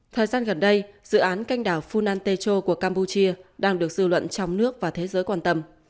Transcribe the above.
thời gian gần đây dự án canh đảo funan techo của campuchia đang được dư luận trong nước và thế giới quan tâm